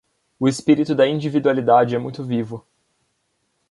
O espírito da individualidade é muito vivo.